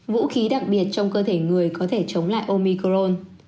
vũ khí đặc biệt trong cơ thể người có thể chống lại omicron